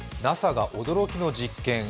ＮＡＳＡが驚きの実験。